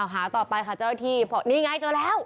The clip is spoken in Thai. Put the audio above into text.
หาต่อไปค่ะเจ้าหน้าที่